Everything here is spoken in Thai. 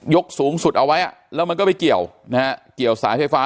สูงสุดเอาไว้อ่ะแล้วมันก็ไปเกี่ยวนะฮะเกี่ยวสายไฟฟ้า